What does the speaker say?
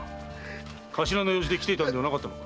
頭の用事で来ていたんではなかったのか？